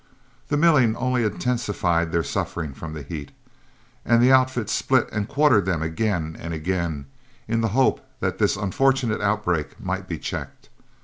The milling only intensified their sufferings from the heat, and the outfit split and quartered them again and again, in the hope that this unfortunate outbreak might be checked.